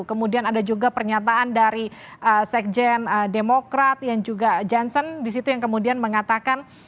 kemudian ada juga pernyataan dari sekjen demokrat yang juga johnson di situ yang kemudian mengatakan